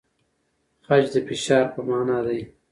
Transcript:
خج د فشار په مانا دی؟